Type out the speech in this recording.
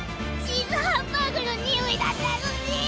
チーズハンバーグのにおいだったのに。